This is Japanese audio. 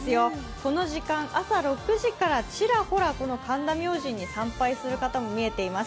この時間、朝６時からちらほら神田明神に参拝する方も見えています。